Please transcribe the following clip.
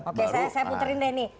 oke saya puterin deh nih